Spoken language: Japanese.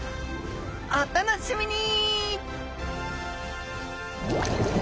お楽しみに！